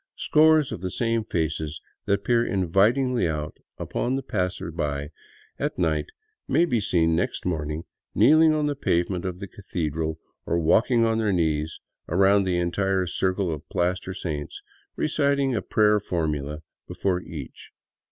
Scores of the same faces that peer invitingly out upon the passerby at night may be seen next morning kneeling on the pavement of the cathedral or walking on their knees around the entire circle of plaster saints, reciting a prayer formula be fore each.